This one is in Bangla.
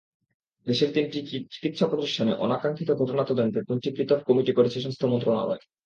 দেশের তিনটি চিকিত্সাপ্রতিষ্ঠানে অনাকাঙ্ক্ষিত ঘটনা তদন্তে তিনটি পৃথক কমিটি করেছে স্বাস্থ্য মন্ত্রণালয়।